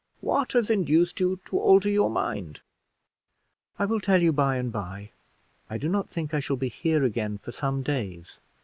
What has induced you to alter your mind?" "I will tell you by and by; I do not think I shall be here again for some days.